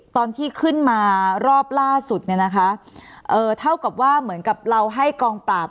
ตอนที่ขึ้นมารอบล่าสุดเนี่ยนะคะเอ่อเท่ากับว่าเหมือนกับเราให้กองปราบ